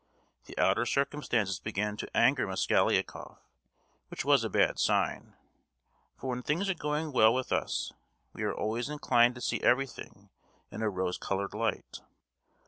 The outer circumstances began to anger Mosgliakoff, which was a bad sign; for when things are going well with us we are always inclined to see everything in a rose coloured light.